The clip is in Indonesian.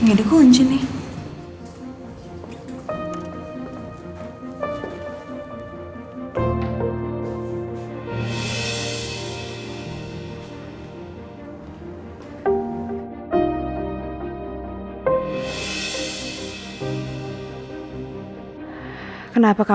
ini dia kuncinya